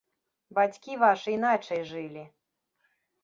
Бацькі вашы іначай жылі!